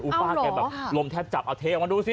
ป้าแกแบบลมแทบจับเอาเทออกมาดูสิ